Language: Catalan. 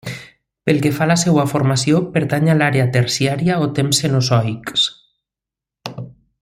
Pel que fa a la seva formació pertany a l'era terciària o temps cenozoics.